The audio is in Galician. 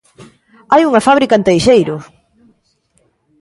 ¡Hai unha fábrica en Teixeiro!